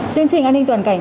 chương trình an ninh toàn cảnh